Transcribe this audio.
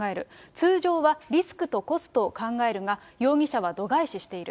通常はリスクとコストを考えるが、容疑者は度外視している。